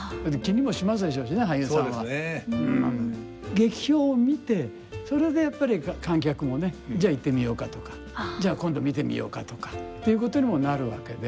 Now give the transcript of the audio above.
劇評を見てそれでやっぱり観客もね「じゃあ行ってみようか」とか「じゃあ今度見てみようか」とかということにもなるわけで。